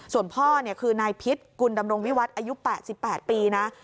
ส่วนพ่อคือนายพิษกุลดำรงวิวัฒน์อายุ๘๘ปีนะ